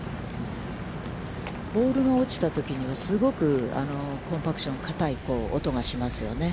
ボールが落ちたときには、すごくコンパクションが硬い音がしますよね。